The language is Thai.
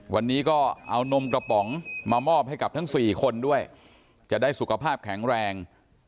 วันนี้ก็เอานมกระป๋องมามอบให้กับทั้ง๔คนด้วยจะได้สุขภาพแข็งแรง